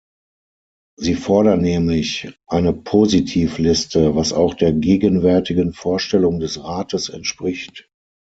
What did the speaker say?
Sie fordern nämlich eine Positivliste, was auch der gegenwärtigen Vorstellung des Rates entspricht.